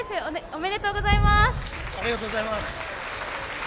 ありがとうございます。